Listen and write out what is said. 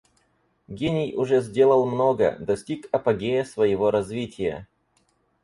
Гений уже сделал много, достиг апогея своего развития.